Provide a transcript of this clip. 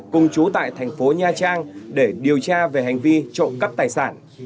cùng chú tại thành phố nha trang để điều tra về hành vi trộm cắp tài sản